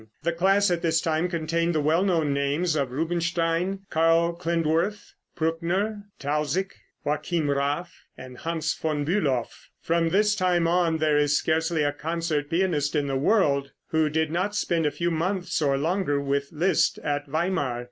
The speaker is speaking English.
The class at this time contained the well known names of Rubinstein, Carl Klindworth, Pruckner, Tausig, Joachim Raff, and Hans von Bülow. From this time on there is scarcely a concert pianist in the world who did not spend a few months or longer with Liszt at Weimar.